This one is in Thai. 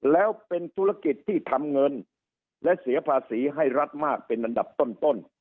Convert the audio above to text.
แล้วเป็นธุรกิจที่ทำเงินและเสียภาษีให้รัฐมากเป็นอันดับต้น